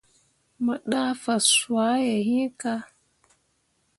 Mo ɗah fazwãhe iŋ kah.